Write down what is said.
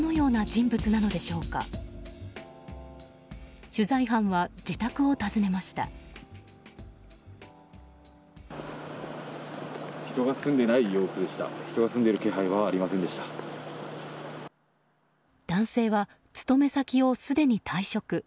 人が住んでいる気配は男性は、勤め先をすでに退職。